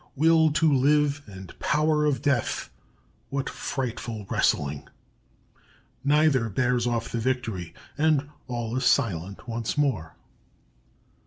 Will to live and power of Death! What frightful wrestling! Neither bears off the victory, and all is silent once more!